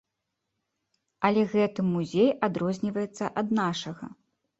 Але гэты музей адрозніваецца ад нашага.